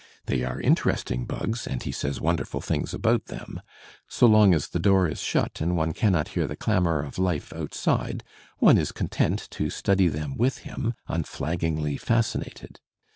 They are interesting bugs and he says wonderful things about them. So long as the door is shut and one cannot hear the clamour of life outside, one is content to study them with him, unflaggingly fascinated.